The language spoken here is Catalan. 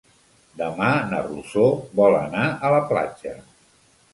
Demà na Rosó vol anar a la platja.